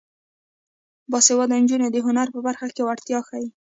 باسواده نجونې د هنر په برخه کې وړتیا ښيي.